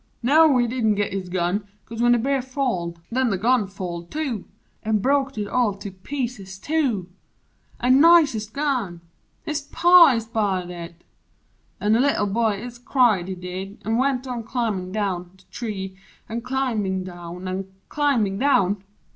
no, he didn't git his gun 'cause when The Bear falled, nen the gun falled, too An' broked It all to pieces, too! An' nicest gun! His Pa ist buyed it! An' the Little Boy Ist cried, he did; an' went on climbin' down The tree an' climbin' down an' climbin' down!